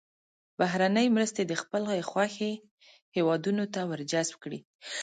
بهرنۍ مرستې د خپلې خوښې هېوادونو ته ور جذب کړي.